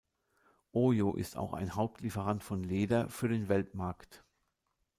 Oyo ist auch ein Hauptlieferant von Leder für den Weltmarkt.